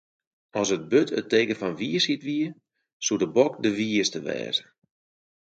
As it burd it teken fan wysheid wie, soe de bok de wiiste wêze.